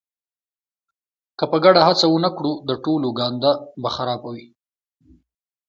که په ګډه هڅه ونه کړو د ټولو ګانده به خرابه وي.